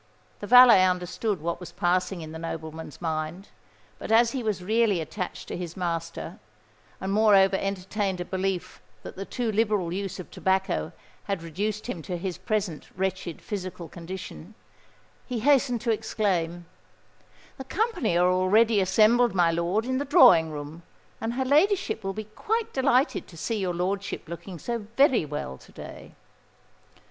The valet understood what was passing in the nobleman's mind; but as he was really attached to his master, and moreover entertained a belief that the too liberal use of tobacco had reduced him to his present wretched physical condition, he hastened to exclaim, "The company are already assembled, my lord, in the drawing room; and her ladyship will be quite delighted to see your lordship looking so very well to day."